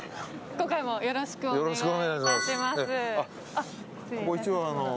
今回もよろしくお願いいたします。